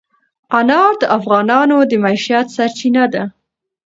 انار د افغانانو د معیشت سرچینه ده.